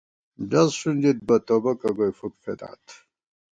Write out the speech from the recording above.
ڈز ݭُنڈِت بہ توبَکہ گوئی فُک فېدات